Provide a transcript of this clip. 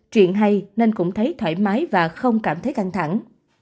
chuyện hay nên cũng thấy thoải mái và không cảm thấy căng thẳng